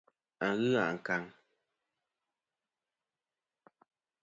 A ghɨ ankaŋ.